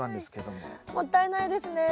もったいないですね。